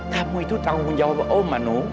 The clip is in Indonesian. kamu itu tanggung jawab om mano